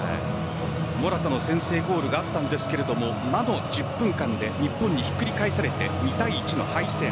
モラタの先制ゴールがあったんですが魔の１０分間で日本にひっくり返されて２対１の敗戦。